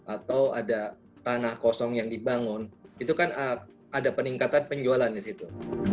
atau ada tanah kosong yang dibangun itu kan ada peningkatan penjualan di situ